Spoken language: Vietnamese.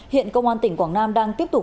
hiện công an tỉnh quảng nam đang tiếp tục